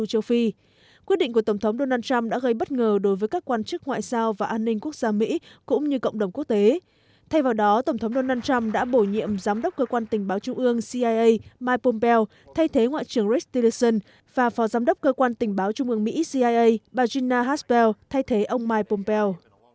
cơ quan tình báo trung ương mỹ cia regina haspel thay thế ông mike pompeo